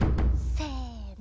せの。